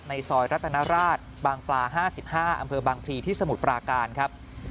ซอยรัตนราชบางปลา๕๕อำเภอบางพลีที่สมุทรปราการครับ